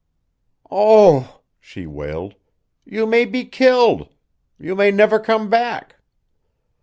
"Oh," she wailed; "you may be killed. You may never come back."